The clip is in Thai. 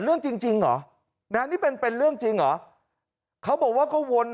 เรื่องจริงจริงเหรอนะนี่เป็นเป็นเรื่องจริงเหรอเขาบอกว่าก็วน